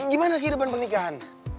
eh gimana kehidupan pernikahan